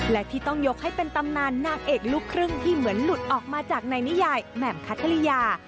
และที่ต้องยกให้เป็นตำนานนางเอกลูกครึ่งที่เหมือนหลุดออกมาจากในนิยายแหม่มคัทธริยา